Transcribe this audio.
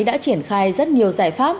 đã triển khai rất nhiều giải pháp